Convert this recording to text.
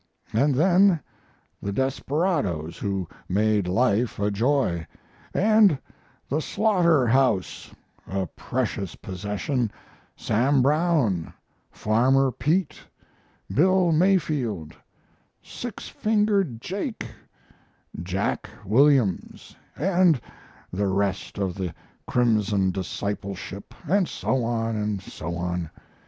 and then the desperadoes, who made life a joy, and the "slaughter house," a precious possession: Sam Brown, Farmer Pete, Bill Mayfield, Six fingered Jake, Jack Williams, and the rest of the crimson discipleship, and so on, and so on.